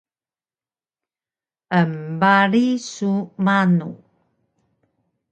Embarig su manu?